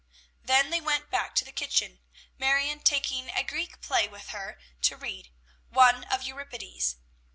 Then they went back to the kitchen, Marion taking a Greek play with her to read, one of Euripides.